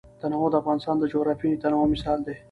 تنوع د افغانستان د جغرافیوي تنوع مثال دی.